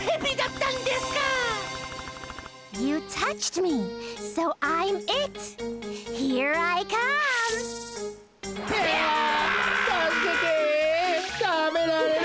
たべられる！